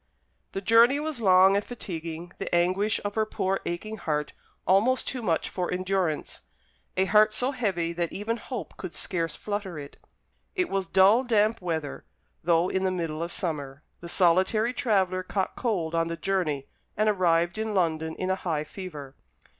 The journey was long and fatiguing; the anguish of her poor aching heart almost too much for endurance a heart so heavy that even hope could scarce flutter it. It was dull damp weather, though in the middle of summer. The solitary traveller caught cold on the journey, and arrived in London in a high fever.